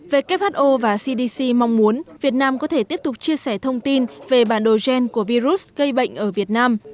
who và cdc mong muốn việt nam có thể tiếp tục chia sẻ thông tin về bản đồ gen của virus gây bệnh ở việt nam